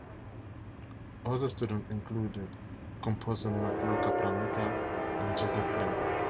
Other students included composers Matteo Capranica and Joseph Haydn.